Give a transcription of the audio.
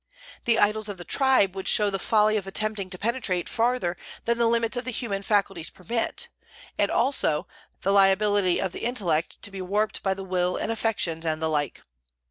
"The Idols of the Tribe" would show the folly of attempting to penetrate further than the limits of the human faculties permit, as also "the liability of the intellect to be warped by the will and affections, and the like."